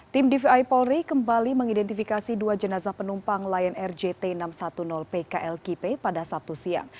tim dvi polri kembali mengidentifikasi dua jenazah penumpang lion air jt enam ratus sepuluh pklkp pada sabtu siang